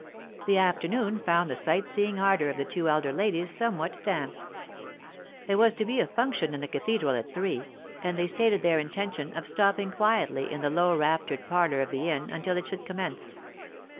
The afternoon found the sight seeing ardour of the two elder ladies somewhat damped. There was to be a function in the cathedral at three, and they stated their intention of stopping quietly in the low raftered parlour of the inn until it should commence.